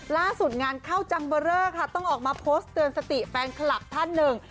ล่าสุดงานเข้าจังเบอร์เรอค่ะต้องออกมาโพสต์เตือนสติแฟนคลับท่านหนึ่ง